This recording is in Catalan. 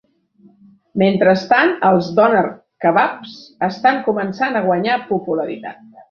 Mentrestant, els Doner kebabs estan començant a guanyar popularitat.